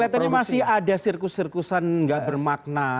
saya lihat ini masih ada sirkus sirkusan tidak bermakna